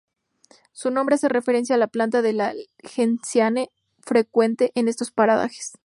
Su nombre hace referencia a la planta de la genciana, frecuente en estos parajes.